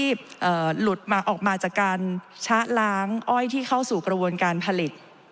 หลุดมาออกมาจากการชะล้างอ้อยที่เข้าสู่กระบวนการผลิต